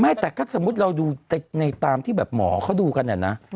ไม่แต่ถ้าสมมุติเราดูในตามที่แบบหมอเขาดูกันเนี่ยนะ